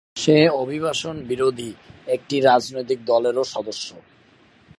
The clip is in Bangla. সে অভিবাসন বিরোধী একটি রাজনৈতিক দলেরও সদস্য।